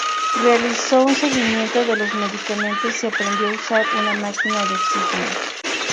Realizó un seguimiento de los medicamentos y aprendió a usar una máquina de oxígeno.